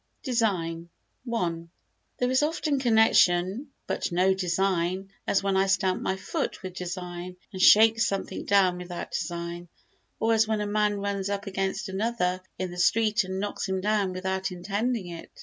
Design i There is often connection but no design, as when I stamp my foot with design and shake something down without design, or as when a man runs up against another in the street and knocks him down without intending it.